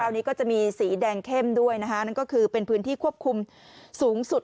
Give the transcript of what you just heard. อันนี้ก็จะมีสีแดงเข้มด้วยนะคะนั่นก็คือเป็นพื้นที่ควบคุมสูงสุด